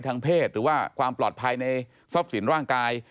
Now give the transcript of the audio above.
ทางเพศหรือว่าความปลอดภัยในทรัพย์สินร่างกาย